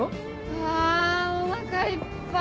あおなかいっぱい！